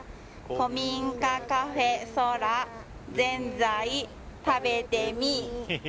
「古民家カフェＳＯＲＡ」「ぜんざい食べてみい！」